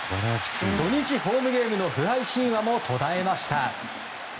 土日ホームゲームの不敗神話も途絶えました。